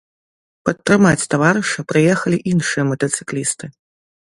Падтрымаць таварыша прыехалі іншыя матацыклісты.